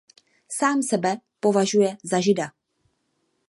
Sám sebe považuje za Žida.